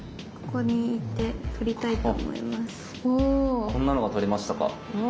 こんなのが取れましたか。